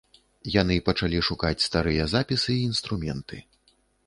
Яны пачалі шукаць старыя запісы і інструменты.